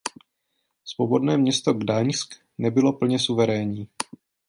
Svobodné město Gdaňsk nebylo plně suverénní.